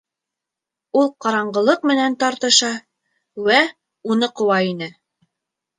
Ул ҡараңғылыҡ менән тартыша вә уны ҡыуа ине.